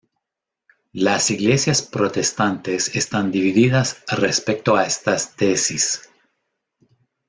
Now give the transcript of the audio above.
Las Iglesias protestantes están divididas respecto a estas tesis.